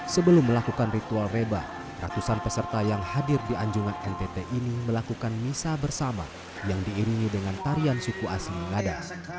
sebelum melakukan ritual reba ratusan peserta yang hadir di anjungan ntt ini melakukan misa bersama yang diiringi dengan tarian suku asli ngada